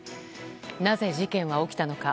なぜ事件は起きたのか。